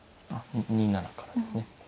２七からですね。